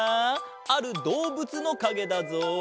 あるどうぶつのかげだぞ！